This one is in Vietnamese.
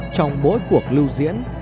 trong mỗi cuộc lưu diễn